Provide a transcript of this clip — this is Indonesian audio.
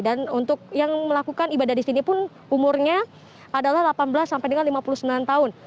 dan untuk yang melakukan ibadah di sini pun umurnya adalah delapan belas lima puluh sembilan tahun